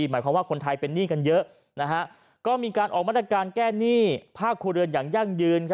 หมายความว่าคนไทยเป็นหนี้กันเยอะก็มีการออกมาตรการแก้หนี้ภาคครัวเรือนอย่างยั่งยืน